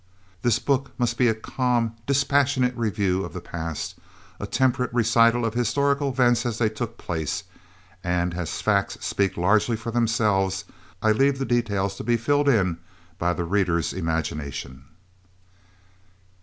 This book must be a calm, dispassionate review of the past, a temperate recital of historical events as they took place, and, as facts speak largely for themselves, I leave the details to be filled in by the reader's imagination.